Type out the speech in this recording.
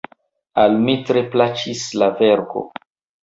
Al mi tre plaĉis la verko.